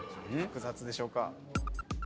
複雑でしょうか。